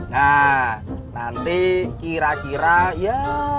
nah nanti kira kira ya